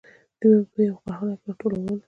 دوی به یې په یوه کارخانه کې راټولول